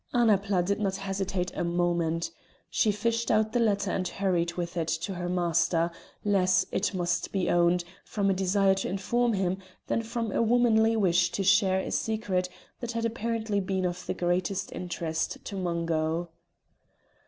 Annapla did not hesitate a moment; she fished out the letter and hurried with it to her master, less, it must be owned, from a desire to inform him, than from a womanly wish to share a secret that had apparently been of the greatest interest to Mungo.